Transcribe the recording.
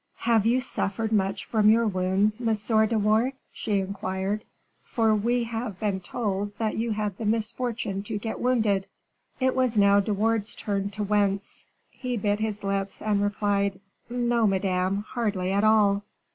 "Have you suffered much from your wounds, Monsieur de Wardes?" she inquired, "for we have been told that you had the misfortune to get wounded." It was now De Wardes's turn to wince; he bit his lips, and replied, "No, Madame, hardly at all."